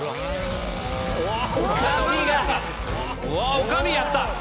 女将やった。